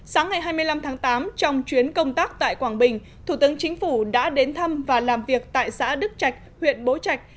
sáng ngày hai mươi năm tháng tám trong chuyến công tác tại quảng bình thủ tướng chính phủ đã đến thăm và làm việc tại xã đức trạch huyện bố trạch